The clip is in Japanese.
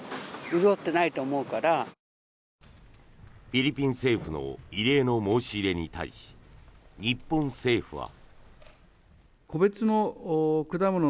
フィリピン政府の異例の申し入れに対し日本政府は。